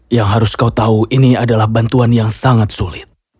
yang harus kau tahu ini adalah bantuan yang sangat sulit